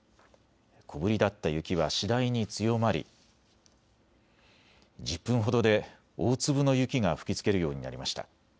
小ぶりだった雪は次第に強まり１０分ほどで大粒の雪が吹きつけるようになりました。